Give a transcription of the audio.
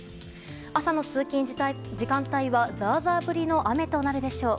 朝の通勤時間帯はザーザー降りの雨となるでしょう。